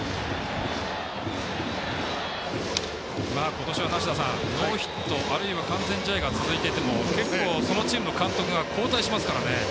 今年は梨田さん、ノーヒットあるいは完全試合が続いていても結構、そのチームの監督が交代しますからね。